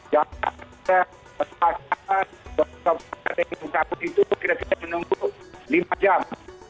jam tiga pasaran waktu kita berbuka puasa itu kita menunggu lima jam